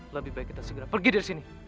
lebih baik kita segera pergi dari sini